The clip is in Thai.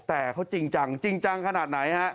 แต่เขาจริงจังจริงจังขนาดไหนฮะ